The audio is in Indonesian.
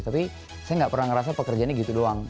tapi saya gak pernah ngerasa pekerjaannya gitu doang